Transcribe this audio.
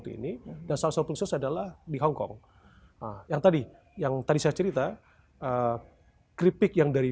ini dan salah satu proses adalah di hongkong yang tadi yang tadi saya cerita keripik yang dari